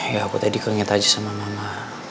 ya aku tadi keringet aja sama mama